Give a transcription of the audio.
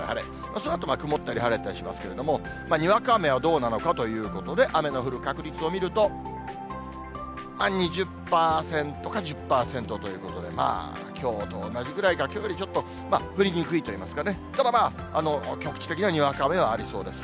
そのあと曇ったり晴れたりしますけれども、にわか雨はどうなのかということで、雨の降る確率を見ると、２０％か１０％ということで、まあ、きょうと同じくらいか、きょうよりちょっと降りにくいといいますかね、ただまあ、局地的にはにわか雨はありそうです。